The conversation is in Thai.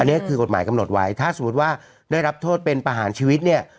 อันนี้คือกฎหมายกำหนดไว้ถ้าสมมุติว่าได้รับโทษเป็นประหารชีวิตเนี่ย